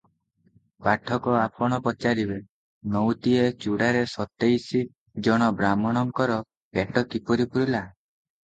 ପାଠକ ଆପଣ ପଚାରିବେ, ନଉତିଏ ଚୂଡ଼ାରେ ସତେଇଶ ଜଣ ବାହ୍ମଣଙ୍କର ପେଟ କିପରି ପୂରିଲା?